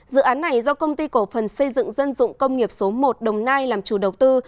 dự án này do công ty cổ phần xây dựng dân dụng công nghiệp số một đồng nai làm chủ đầu tư